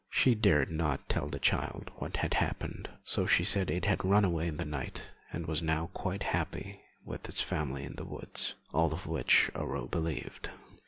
She dared not tell the child what had happened, so she said it had run away in the night, and was now quite happy with its family in the woods. All of which Aurore believed.